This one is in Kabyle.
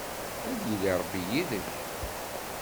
Ad yili Ṛebbi yid-k.